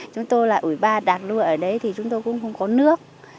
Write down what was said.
chúng tôi là ủi ba đạt lừa ở đấy thì chúng tôi cũng không có nước